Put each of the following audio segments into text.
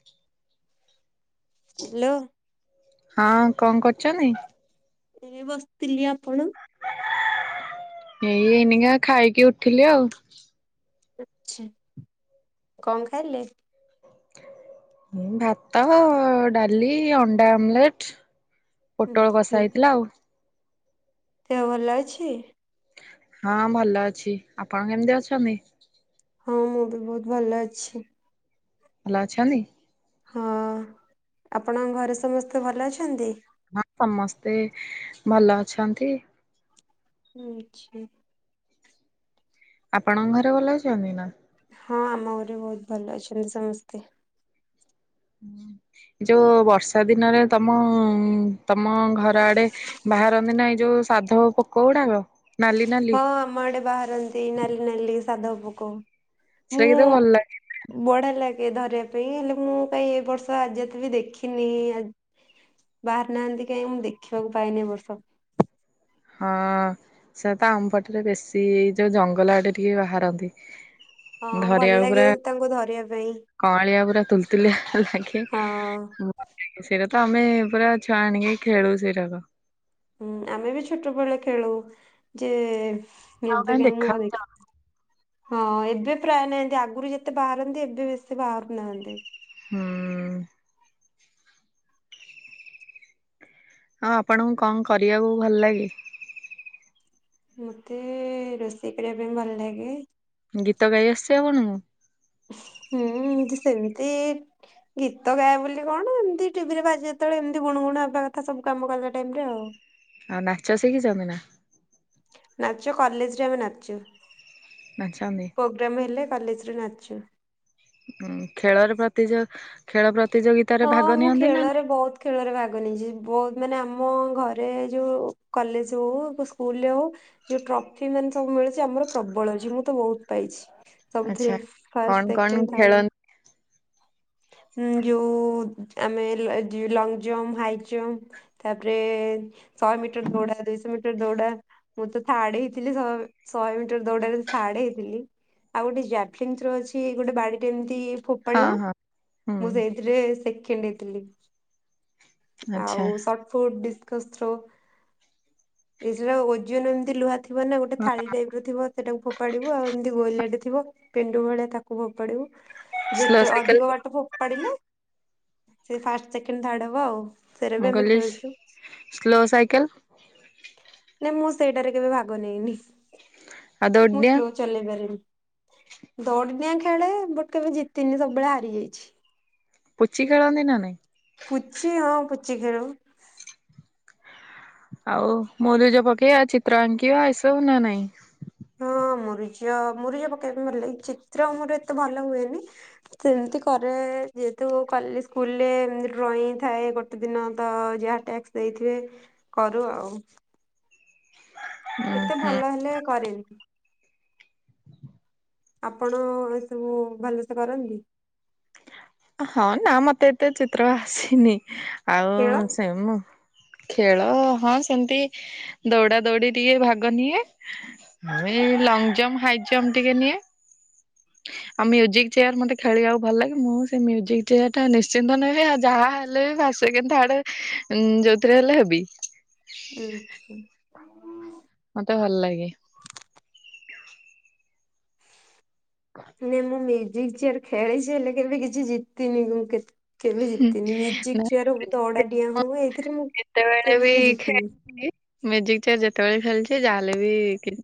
[unintelligible] ଲୋ। ହଁ କଣ କରୁଛନ୍ତି? ଏ ବସିଥିଲି ଆପଣ। ଏଇ ଏଇନିକା ଖାଇକି ଉଠିଲି ଆଉ। ଆଛା! କଣ ଖାଇଲେ? ଉଁ ଭାତ, ଡାଲି, ଅଣ୍ଡା ଆମ୍ ଲେଟ୍। ପୋଟଳ କଷା ହେଇଥିଲା ଆଉ। ଦେହ ଭଲ ଅଛି? ହଁ, ଭଲ ଅଛି। ଆପଣ କେମତି ଅଛନ୍ତି? ହଁ, ମୁଁ ବି ବହୁତ ଭଲ ଅଛି। ଭଲ ଅଛନି? ହଁ, ଆପଣଙ୍କ ଘରେ ସମସ୍ତେ ଭଲ ଅଛନ୍ତି? ହଁ, ସମସ୍ତେ ଭଲ ଅଛନ୍ତି। ଆଛା୍! ଆପଣଙ୍କ ଘରେ ଭଲ ଅଛନ୍ତି ନା? ହଁ, ଆମ ଘରେ ବହୁତ ଭଲ ଅଛନ୍ତି ସମସ୍ତେ। ହଁ, ଯୋଉ ବର୍ଷା ଦିନରେ ତମ-ଅ, ତମ ଘର ଆଡେ ବାହାରନ୍ତି, ନା ଏ ଯୋଉ ସାଧବ ପୋକ ଗୁଡାକ! ନାଲି ନାଲି ହଁ, ଆମ ଆଡେ ବାହାରନ୍ତି, ନାଲି ନାଲି ସାଧବ ପୋକ। ସେଇଟା ମୁଁ କେତେ ଭଲ ଲାଗେ! ବଢିଆ ଲାଗେ ଧରିବା ପାଇଁ, ହେଲେ ମୁଁ କାହିଁ, ଏ ବର୍ଷ ଆଜି ଏତ୍ ବି ଦେଖିନି। ଆ ବାହାରି ନାହାଁନ୍ତି କାହିଁ! ମୁଁ ଦେଖିବାକୁ ପାଇନି ଏ ବର୍ଷ। ହଁ ସେ ତ ଆମପଟରେ ବେଶୀ-ଇ ଯୋଉ, ଜଙ୍ଗଲ ଆଡେ ଟିକେ ବାହାରନ୍ତି। ହଁ, ଭଲ ଧରିବାକୁ ପୁରା ଲାଗେ ତାଙ୍କୁ ଧରିବା ପାଇଁ। କଅଁଳିଆ ପୁରା ତୁଲ୍ ତୁଲିଆ ହଁ। ଲାଗେ-ଏ। ମୁଁ ସେଇରା ତ ଆମେ ପୁରା ଛୁଆ ଆଣିକି, ଖେଳୁ ସେଇରାକ। ହୁଁ, ଆମେ ବି ଛୋଟ ବଳେ ଖେଳୁ। ଯେ, ଆଉ କାଇଁ ଏବେ କାହିଁ ଦେଖା ମୁଁ ଆଉ ବି ଦେଖି ଯାଉନି। ହଁ, ଏବେ ପ୍ରାୟ ନାହାଁନ୍ତି। ଆଗରୁ ଯେତେ ବାହାରନ୍ତି, ଏବେ ବେଶୀ ବାହାରୁ ନାହାଁନ୍ତି। ହୁଁ। ଆଉ, ଆପଣଙ୍କୁ କଁ କରିବାକୁ ଭଲ ଲାଗେ? ମତେ-ଏ, ରୋଷେଇ କରିବା ପାଇଁ ଭଲ ଲାଗେ। ଗୀତ ଗାଇ ଆସଛି ଆପଣଙ୍କୁ? ହୁଁ, ଯେ ସେମତି ଗୀତ ଗାଏ ବ ବୋଲି କଣ? ଏମିତି ଟିଭିରେ ବାଜେ ଯେତେବେଳେ ଏମିତି ଗୁଣ ଗୁଣ ହେବା କଥା, ସବୁ କାମ କଲା ଟାଇମ୍ ରେ ଆଉ। ଆଉ, ନାଚ ଶିଖିଛନ୍ତି ନା? ନାଚ, କଲେଜରେ ଆମେ ନାଚୁ। ନାଚନ୍ଦୀ। ପ୍ରୋଗ୍ରାମ୍ ହେଲେ କଲେଜରେ ନାଚୁ। ଉଁ ଖେଳର ପ୍ରତିଯ! ଖେଳ ହଁ ପ୍ରତିଯୋଗିତାରେ ଭାଗ ମୁଁ ନିଅନ୍ତି ନା ଖେଳରେ ନାଇଁ? ବହୁତ ଖେଳରେ ଭାଗ ନେଇଛି। ବହୁତ ମାନେ ଆମ ଘରେ ଯେଉଁ, କଲେଜ ହେଉ, ସ୍କୁଲ ହେଉ ଯୋଉ ଟ୍ରଫି ମାନେ ସବୁ ମିଳୁଛି। ଆମର ପ୍ରବଳ ଅଛି, ମୁଁ ତ ବହୁତ୍ ପାଇଛି। ସବୁଥିରେ ଆଚ୍ଛା। ଫାଷ୍ଟ, କଣ କଣ ସେଖେଣ୍ଡ, ଥାର୍ଡ଼, ଖେଳନ୍ତି? ଉଁ ଯଉ ଉ-ଉଦ ଆମେ-ଏ-ଜ ଲଙ୍ଗ୍ ଜମ୍ପ, ହାଇ ଜମ୍ପ, ତା'ପରେ-ଏ ଶହେ ମିଟର ଦୌଡା, ଦୁଇଶହ ମିଟର ଦୌଡା, ମୁଁ ତ ଥାର୍ଡ ହେଇଥିଲି, ଶହେ ଶହେ ମିଟର ଦୌଡରେ ଥାର୍ଡ ହେଇଥିଲି। ଆଉ ଗୋଟେ ଜାଭଲିନ୍ ଥ୍ରୋ ଅଛି। ଗୋଟେ ବାଡିଟେ ଏମିତି ହଁ ଫୋପାଡିବୁ, ହଁ ହୁଁ ମୁଁ ସେଇଥିରେ ସେଖେଣ୍ଡ ହେଇଥିଲି। ଆଚ୍ଛା। ଆଉ ସଟ୍ ଫୁଟ୍, ଡ଼ିସ୍କସ ଥ୍ରୋ। ଏଇ ସେଟା ଓଜନ ଏମିତି ଲୁହା ଥିବ ନା ଗୋଟେ ଥାଳି ଟାଇପ୍ ର ର ଥିବ, ସେଟାକୁ ଫୋପାଡିବୁ। ଆଉ ଏମିତି ଗୋଲିଆଟେ ଥିବ, ପେଣ୍ଡୁ ଭଳିଆ ତାକୁ ଫୋପାଡିବୁ। ସ୍ଲୋ ଯେତେ ସାଇକେଲ ଅଧିକ ବାଟ ଫୋପାଡିଲେ, ସେ ଫାଷ୍ଟ, ସେକେଣ୍ଡ ଥାର୍ଡ ହବ ଆଉ। ସେରା ବି ମୁଁ ଆମେ କହିଲି, ଖେଳୁଛୁ ସ୍ଲୋ ସାଇକେଲ ନାଇଁ, ମୁଁ ସେଇଟାରେ କେବେ ଭାଗ ନେଇନି? ଆଉ ମୁଁ ଦୌଡିଡିଆଁ ସ୍ଲୋ ଚଲେଇ ପାରେନି, ଦଉଡି ଡିଆଁ ଖେଳେ ବଟ କେବେ ଜିତିନି ସବୁବେଳେ ହାରି ଯାଇଛି। ପୁଚି ଖେଳନ୍ତି ନା ନାହିଁ? ପୁଚି ହଁ ପୁଚି ଖେଳେ ମୁଁ। ଆଉ ମୁରୁଜ ପକେଇବା ଚିତ୍ର ଆଙ୍କିବା ଏସବୁ ନା ନାଇଁ? ହଁ ମୁରୁଜ ମୁରୁଜ ପକେଇବା ପାଇଁ ଭଲ ଲାଗେ, ଚିତ୍ର ମୋର ଏତେ ଭଲ ହୁଏନି। ସେମିତି କରେ ଯେହେତୁ କଲି ସ୍କୁଲ ରେ ଡ୍ରଇଂ ଥାଏ ଗୋଟେ ଗୋଟେ ଦିନ ତ ଯାହା ଟ୍ୟାକ୍ସ ଦେଇଥିବେ କରୁ ଆଉ। ଉଁ ଏତେ ହୁଁ ଭଲ ହେଲେ କରେନି। ଆପଣ ଏ ସବୁ ଭଲସେ କରନ୍ତି? ହଁ ନା ମତେ ଏତେ ଚିତ୍ର ଆସେନି ଆଉ ଖେଳ? ସେମ ଖେଳ ହଁ ସେମତି ଦୌଡା ଦୌଡି ଟିକେ ଭାଗ ନିଏ। ଆଉ ଏଇ ଲଙ୍ଗ ଜମ୍ପ ହାଇ ଜମ୍ପ ଟିକେ ନିଏ। ଆଉ ମ୍ୟୁଜିକ୍ ଚେୟାର ମତେ ଖେଳିବାକୁ ଭଲ ଲାଗେ, ମୁଁ ସେ ମ୍ୟୁଜିକ ଚେୟାର ଟା ନିଶ୍ଚିନ୍ତ ନେବି ଆଉ ଯାହା ହେଲେ ବି ଫାସ ଷ୍ଟ, ସେକଣ୍ଡ, ଥାର୍ଡ ଯୋଉଥିରେ ହେଲେ ହେବି। ଆଛା। ମତେ ଭଲ ଲାଗେ। ନାଇଁ ମୁଁ ମ୍ୟୁଜିକ ଚେୟାର ଖେଳିଛି ହେଲେ କେବେ କିଛି ଜିତିନି ମୁଁ କେ କେବେ ଜିତିନି, ମ୍ୟୁଜିକ ଚେୟାର ହଉ ଦଉଡା ଡିଆଁ ହଉ ଏଇଥିରେ ମୁଁ ଯେତେବେଳେ କେବେ ବି ଜିତିନି। ଖେଳିଲି ମ୍ୟୁଜିକ ଚେୟାର ଯେତେବେଳେ ଖେଳିଛି ଯାହାେଲେ ବି କି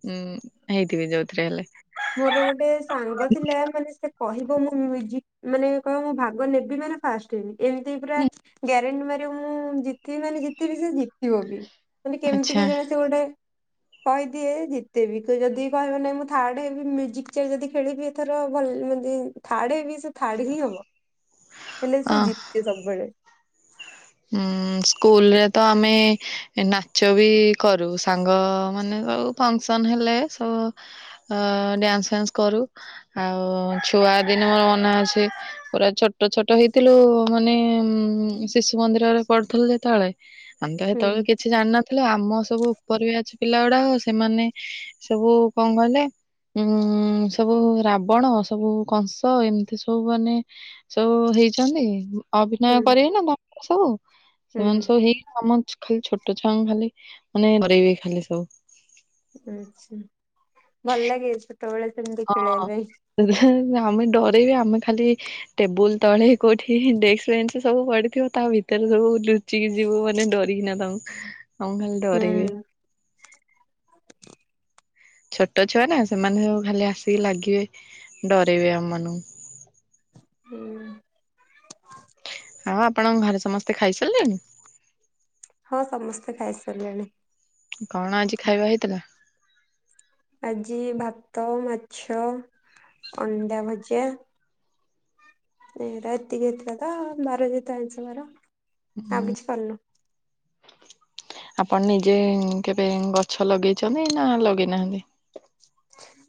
ହେଇଥିବେ ଯୋଉଥିରେ ହେଲେ। ମୋର ଗୋଟେ ସାଙ୍ଗ ଥିଲା, ମାନେ ସେ କହିବ ମୁଁ ମ୍ୟୁଜିକ ମାନେ କହିବ ମୁଁ ଭାଗ ନେବି ମାନେ ଫାଷ୍ଟ ହେବି, ଏମିତି ପୁରା ଗ୍ୟାରେଣ୍ଟି ମାରିବ ମୁଁ ଜିତିବି ମାନେ ଜିତିବି ସେ ଜିତିବ ବି। ମାନେ କେମିତି ଆଚ୍ଛା କେଜାଣି ସେ ଗୋଟେ କହିଦିଏ ଜିତେବି, ଯଦି କହିବ ନାହିଁ ମୁଁ ଥାର୍ଡ ମ୍ୟୁଜିକ୍ ଚେୟାର୍ ଯଦି ଖେଳିବି ଏଥର ଭଲ ଡି ଥାର୍ଡ ହେବି ଶ୍ ଥାର୍ଡ ହିଁ ହବ ହେଲେ ସେ ଅ ଜିତେ ସବୁବେଳେ। ଉଁ ସ୍କୁଲ ରେ ତ ଆମେ ନାଚ ବି କରୁ, ସାଙ୍ଗମାନେ ସବୁ ଫଙ୍କସନ୍ ହେଲେ ସବୁ ଅ ଡ୍ୟାନ୍ସ ଫ୍ୟାନ୍ସ କରୁ। ଆଉ ଛୁଆ ଦିନ ମୋର ମନେ ଅଛି ପୁରା ଛୋଟ ଛୋଟ ହେଇଥିଲୁ ମାନେ, ଉ ଶିଶୁ ମନ୍ଦିର ରେ ପଢୁଥିଲ ଯେତେବେଳେ, ଆମ ତ ହୁଁ ସେତେବେଳେ କିଛି ଜାଣିନଥି ତାଲେ ଆମ ସବୁ ଉପର ବାଚ୍ ପିଲା ଗୁଡାକ ସେମାନେ ସବୁ କଣ କହିଲେ ଉଁ ସବୁ ରାବଣ ସବୁ କଂସ ଏମିତି ସବୁ ମାନେ ସବୁ ହେଇଛନ୍ତି, ଅଭିନୟ ହୁଁ କରିବେ ନା ତାପରେ ସବୁ ହୁଁ ସେମାନେ ସବୁ ହେଇ ଆମ ଖାଲି ଛୋଟ ଛୁଆଙ୍କୁ ଖାଲି ମାନେ ଡରେଇବେ ଖାଲି ସବୁ। ଆଛା, ଭଲ ଲାଗେ ଛୋଟବେଳେ ସେମତି ହଁ ଖେଳେଇବା ପାଇଁ? ଆମେ ଡରେଇବେ, ଆମେ ଖାଲି ଟେବୁଲ ତଳେ କୋଉଠି ଡେକ୍ସ୍ ବେଞ୍ଚ ସବୁ ପଡିଥିବ ତା ଭିତରେ ସବୁ ଲୁଚିକି ଯିବୁ ମାନେ ଡରିକିନା ତାଙ୍କୁ, ଆମକୁ ଖାଲି ଡରାଇବେ। ହୁଁ ଛୋଟ ଛୁଆ ନା ସେମାନେ ସବୁ ଖାଲି ଆସିକି ଲାଗିବେ ଡରେଇବେ ଆମମାନଙ୍କୁ। ହୁଁ। ଆଉ ଆପଣଙ୍କ ଘରେ ସମସ୍ତେ ଖାଇସାରିଲେଣି? ହଁ ସମସ୍ତେ ଖାଇସାରିଲେଣି। କଣ ଆଜି ଖାଇବା ହେଇଥିଲା? ଆଜି ଭାତ, ମାଛ, ଅଣ୍ଡା ଭୁଜିଆ। ଏରା ଏତିକି ହେଇଥାନ୍ତା, [unintelligible] ଆମର। ହୁଁ। ଆପଣ ନିଜେ କେବେ ଗଛ ଲଗେଇଛନ୍ତି ନା ଲଗେଇନାହାନ୍ତି?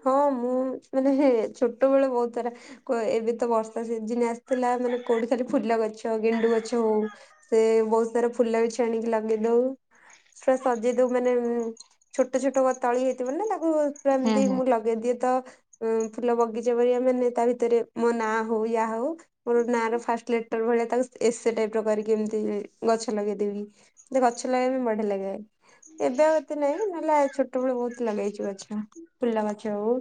ହଁ ମୁଁ ମାନେ ଛୋଟ ବେଳେ ବହୁତ ଥର ଏବେ ତ ବର୍ଷା ସିଜିନି ଆସିଥିଲା, ମାନେ କୋଉଠି ଖାଲି ଫୁଲ ଗଛ, ଗେଣ୍ଡୁ ଗଛ ହଉ ସେ ବହୁତ ସାରା ଫୁଲ ଗଛ ଆଣିକି ଲଗେଇ ଦଉ ପୁରା ସଜେଇ ଦଉ ମାନେ ଛୋଟ ଛୋଟ ତଳି ହେଇଥିବ ନା ତାକୁ ପୁରା ହୁଁ ଏମିତି ହୁଁ ମୁଁ ଲଗ ଗ ଦିଏ ତ ଫୁଲ ବଗିଚା ପ ମାନେ ତା ଭିତରେ ମୋ ନା ହଉ ୟା ହଉ। ମୋର ନାଁ ର ଫାଷ୍ଟ ଲେଟର ଭଳିଆ ତାକୁ ଏସେ ଟାଇପ ର କରିକି ଏମିତି ଗଛ ଲଗେଇଦବି। ମତେ ଗଛ ଲଗେଇବା ପାଇଁ ବଢିଆ ଲାଗେ। ଏବେ ଆଉ ଏତେ ନାଇଁ ନହେଲେ ଆ ଛୋଟବେଳୁ ବୋହୁତ ଲଗେଇଛୁ ଗଛ। ଫୁଲ ଗଛ ହଉ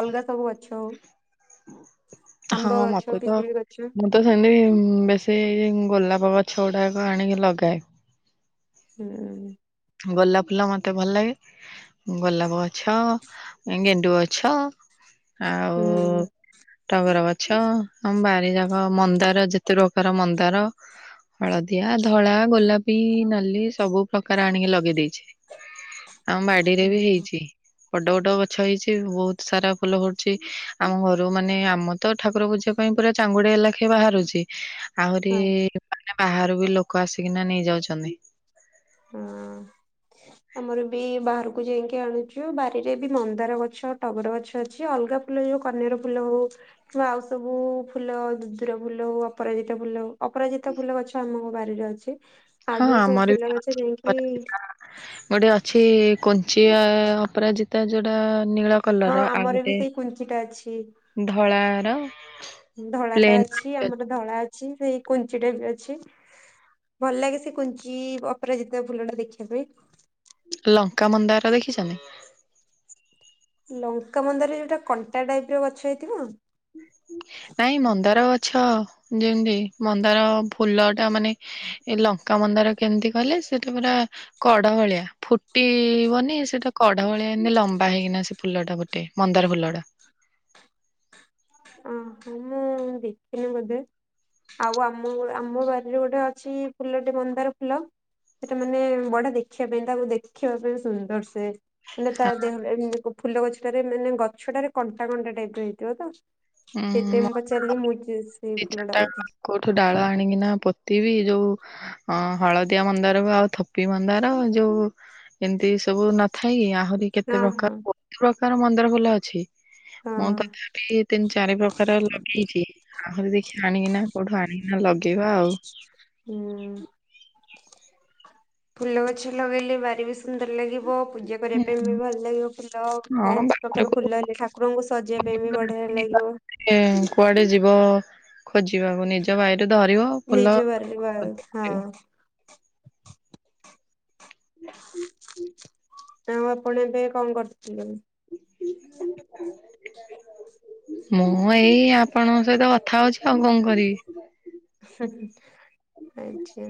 ଅଲଗା ସବୁ ଗଛ ହଉ। ଆମ୍ବ ହଁ ଗଛ ମତେ ତ ପିଜୁଳି ଗଛ। ମୁଁ ତ ସେମିତି ଉଁ ବେଶୀ ଗୋଲାପ ଗଛ ଗୁଡ଼ାକ ଆଣିକି ଲଗାଏ। ହୁଁ। ଗୋଲାପ ଫୁଲ ମତେ ଭଲ ଲାଗେ। ଗୋଲାପ ଗଛ ଗେଣ୍ଡୁ ଗଛ ହୁଁ ଆଉ ଟଗର ଗଛ ଆମ ବାରି ଯାଗ ମନ୍ଦାର ଯେତେ ପ୍ରକାର ମନ୍ଦାର ହଳଦିଆ ଧଳା ଗୋଲାପୀ ନାଲି ସବୁ ପ୍ରକାର ରା ଆଣିକି ଲଗେଇ ଦେଇଛି ଆମ ବାଡିରେ ହୁଁ ବି ହେଇଛି। ବଡ ବଡ ଗଛ ହେଇଛି ବୋହୁତ ସାରା ଫୁଲ ଫୁଟୁଛି ଆମ ଘରୁ ମାନେ ଆମ ତ ଠାକୁର ପୂଜା ପାଇଁ ପୁରା ଚାଙ୍ଗୁଡିଆ ଲାଖେ ବାହାରୁଛି ଆହୁରି ହଁ ମାନେ ବାହାରୁ ବି ଲୋକ ଆସିକିନା ନେଇଯାଉଛନ୍ତି। [unintelligible] ଆମର ବି ବାହାରକୁ ଯାଇକି ଆଣୁଛୁ ବାରିରେ ବି ମନ୍ଦାର ଗଛ ଟଗର ଗଛ ଅଛି ଅଲଗା ଫୁଲ ଯୋଉ କନିଆର ଫୁଲ ହଉ କିମ୍ବା ଆଉ ସବୁ ଫୁଲ ଦୁଦୁରା ଫୁଲ ହଉ ଅପରାଜିତା ଫୁଲ ହଉ ଅପରାଜିିତା ଫୁଲ ଗଛ ଆମ ବାରିରେ ଅଛି ଆଉ ହଁ ଯୋଉ ସବୁ ଆମର ବି ଫୁଲ ଗଛ ଅଛି ଯାଇକି ଅପରାଜିତା। ଗୋଟେ ଅଛି କୋଞ୍ଚିଆ ଅପରାଜିତା ଯୋଉଟା ନୀଳ ହଁ କଲର ଆଉ ଆମର ବି ଗୋଟେ ସେଇ କୁଞ୍ଚିଟା ଅଛି। ଧଳା ର ପ୍ଲେନ୍ କି ଆମର ଧଳା ଅଛି ସେଇ କୁଞ୍ଚି ଟାଇପ୍ ର ଅଛି। ଭଲ ଲାଗେ ସେ କୁଞ୍ଚି ଅପରାଜିତା ଫୁଲ ଟା ଦେଖିବା ପାଇଁ। ଲଙ୍କା ମନ୍ଦାର ଦେଖିଛନ୍ତି। ଲଙ୍କା ମନ୍ଦାର ଯୋଉଟା କଣ୍ଟା ଟାଇପ ର ଗଛ ହେଇଥିବ। ନାଇଁ ମନ୍ଦାର ଗଛ ଯେମିତି ମନ୍ଦାର ଫୁଲ ଟା ମାନେ ଏ ଲଙ୍କା ମନ୍ଦାର କେମିତି କଲେ ସେତ ପୁରା କଢ଼ ଭଳିଆ ଫୁଟିବନି ସେଟା କଢ଼ ଭଳିଆ ଏମତି ଲମ୍ବା ହେଇକିନା ସେ ଫୁଲଟା। ଟେ ମନ୍ଦାର ଫୁଲଟା ଆ ହଁ ମୁଁ ଦେଖିନି ବୋଧେ। ଆଉ ଆମ ଆମ ବାରିରେ ଗୋଟେ ଅଛି ଫୁଲ ଟେ ମନ୍ଦାର ଫୁଲ ସେଟା ମାନେ ବଢିଆ ଦେଖିବା ପାଇଁ ତାକୁ ଦେଖିବା ପାଇଁ ସୁନ୍ଦର ସେ ମାନେ ତା ହଁ, ଦେହ [unintelligible] ଫୁଲ ଗଛଟାରେ ମାନେ ଗଛଟାରେ କଣ୍ଟା କଣ୍ଟା ଟାଇପରେ ହେଇଥିବ ତ। ସେଇଥିପାଇଁ ଉଁ ମୁଁ ପଚାରିଲି ମୁଁ ସେଇ ଦି ଫୁଲ ଟା ଚାରିଟା ବୋଧେ। କୋଉଠୁ ଡାଳ ଆଣିକି ନା ପୋତିବିି ଯୋଉ ଅ ହଳଦିଆ ମନ୍ଦାର କୁ ଆଉ ଥୋପି ମନ୍ଦାର ଯୋଉ ଏମିତି ସବୁ ନଥାାଇ ଆହୁରି କେତେ ହଁ ପ୍ରକାର ହଁ ବୋହୁତ ପ୍ରକାର ମନ୍ଦାର ଫୁଲ ଅଛି ମୁଁ ହଁ ତଥାପି ଚାରି ପ୍ରକାର ଲଗେଇଛି ଆହୁରି ଦେଖିଆ ଆଣିକିନା କୋଉଠୁ ଆଣିକିନା ଲଗେଇବା ଆଉ। ହୁଁ। ଫୁଲ ଗଛ ଲଗେଇଲେ ବାରି ବି ସୁନ୍ଦର ଲାଗିବ। ପୂଜା କରିବା ପାଇଁ ବି ଭଲ ଲାଗିବ ଫୁଲ ହଁ ବୋହୁତ ପ୍ରକାର ବାହାରକୁ ଫୁଲ ହେଲେ ଠାକୁରଙ୍କୁ ସଜେଇବା ପାଇଁ ବି ବଢିଆ ଲାଗିବ। କୁଆଡେ ଯିବ ଖୋଜିବାକୁ ନିଜ ବାଇରେ ଧରିବ। ଫୁଲ ନିଜ ବାରିରେ ବାସ୍ ହଁ। ଖୋଜିବ। ଆଉ ଆପଣ ଏବେ କଣ କରୁଥିଲେ। ମୁଁ ଏଇ ଆପଣଙ୍କ ସହିତ କଥା ହଉଛି ଆଉ କଣ କରିବି। ଆଛା।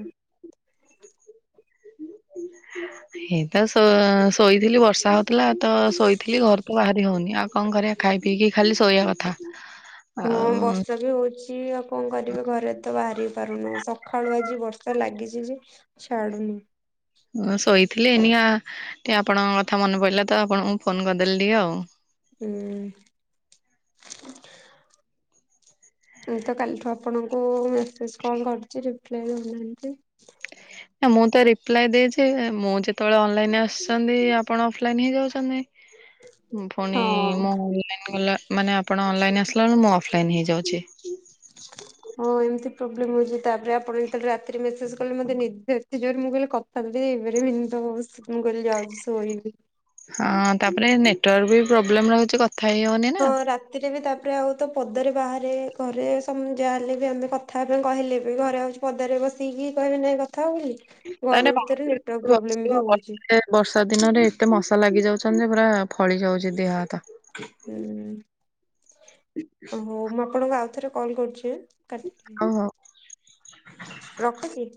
ହେଇ ତ ଶୋ ଶୋଇଥିଲି ବର୍ଷା ହଉ ଥିଲା ତ ଶୋଇଥିଲି ଘରୁ ତ ବାହାରି ହଉନି ଆଉ କଣ କରିବା ଖାଇ ପିଇକି ଖାଲି ଶୋଇବା କଥା। ହଁ ବର୍ଷା ଆଉ ବି ହଉଛି। ଛି ଆଉ କଣ କରିବେ ଘରେ ତ ବାହାରି ପାରୁନୁ ସଖାଳୁ ଆଜି ବର୍ଷା ଲାଗିଛି ଯେ ଛାଡ଼ୁନି। ମୁଁ ଶୋଇଥିଲି ଏଇନିକା ଟିକେ ଆପଣଙ୍କ କଥା ମନେ ପଡିଲା ତ ଆପଣଙ୍କୁ ଫୋନ କରିଦେଲି ଟିକେ ଆଉ। ହୁଁ। ମୁଁ ତ କାଲିଠୁ ଆପଣଙ୍କୁ ମେସେଜ କଲ୍ କରୁଛି ରିପ୍ଲାଏ ଦେଉନାହାନ୍ତି। ନା ମୁଁ ତ ରିପ୍ଲାଏ ଦେଇଛି ମୁଁ ଯେତେବେଳେ ଅନଲାଇନ ଆସିଛନ୍ତି ଆପଣ ଅଫଲାଇନ ହେଇ ଯାଉଛନ୍ତି। [inaudible] ପୁଣି ହଁ ମୁଁ ଅନ ଲାଇନ୍ ଗଲା ମାନେ ଆପଣ ଅନଲାଇନ ଆସିଲା ବେଳକୁ ମୁଁ ଅଫଲାଇନ ହେଇଯାଉଛି। ହଁ ଏମିତି ପ୍ରୋବ୍ଲେମ ହଉଛି ତାପରେ ଆପଣ ଯେତେବେଳେ ରାତିରେ ମେସେଜ କଲେ ମତେ ନିଜେ ଜୋରେ ମୁଁ କହିଲି ତ ଥାବି [unintelligible] ମୁଁ କହିଲି ଯାଉଛି ଶୋଇବି। ହଁ ତାପରେ ନେଟୱାର୍କ ବି ପ୍ରୋବ୍ଲେମ ରହୁଛି କ ହଁ ରାତ ତୀ ରେ ବି ତାପରେ ଆଉ ତ ପଦାରେ ବାହାରେ ଘରେ ସମ ଯାହା ହେଲେ ବି ଆମେ କଥା ହେବା ପାଇଁ କହିଲେ ବି ଘରେ ଆଉ ଛ ପଦାରେ ବସିକି କହିବେ ନାହିଁ କଥା ହଉ ବୋଲି ତାହେଲେ ଘର ଭିତରେ ନେଟୱାର୍କ ବାହାରକୁ ପ୍ରୋବ୍ଲେମ ବସିବ ବି ହଉଛି। ବର୍ଷା ଦିନରେ ଏତେ ମଶା ଲାଗି ଯାଉଛନ୍ତି ଯେ ପୁରା ଫଳି ଯାଉଛି ଦେହ ହାତ। ହୁଁ ହଉ ମୁଁ ଆପଣଙ୍କୁ ଆଉ ଥରେ କଲ୍ କରୁଛି କଟିଦିଅ ଆଉ ହଉ ରଖୁଛି।